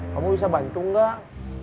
kamu bisa bantu gak